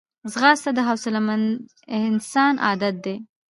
ځغاسته د حوصلهمند انسان عادت دی